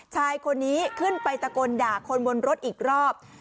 ชายคนนี้ขึ้นไปตะโกนด่าคนบนรถอีกรอบ